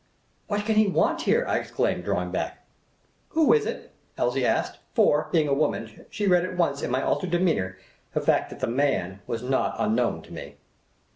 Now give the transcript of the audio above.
"What can he want here?" I exclaimed, drawing back. " Who is it ?" Elsie asked ; for, being a woman, she read at once in my altered demeanour the fact that the Man was not unknown to me.